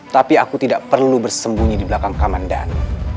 tapi aku tidak perlu bersembunyi di belakang komandan